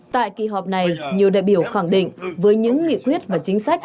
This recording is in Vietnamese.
tại kỳ họp này nhiều đại biểu khẳng định với những nghị quyết và chính sách